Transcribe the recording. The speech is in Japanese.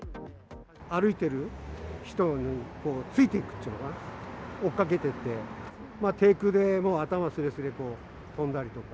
歩いてる人についていくっていうのかな、追っかけてって、低空で、もう頭すれすれを飛んだりとか。